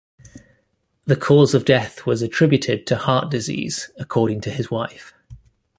The cause of death was attributed to heart disease according to his wife.